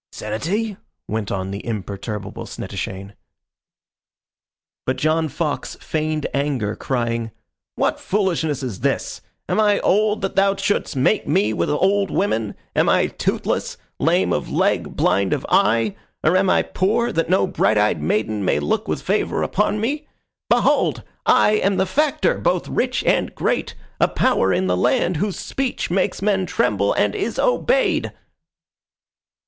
"Senatee?" went on the imperturbable Snettishane. But John Fox feigned anger, crying: "What foolishness is this? Am I old, that thou shouldst mate me with old women? Am I toothless? lame of leg? blind of eye? Or am I poor that no bright eyed maiden may look with favour upon me? Behold! I am the Factor, both rich and great, a power in the land, whose speech makes men tremble and is obeyed!"